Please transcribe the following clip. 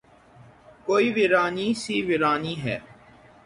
کوئی ویرانی سی ویرانی ہے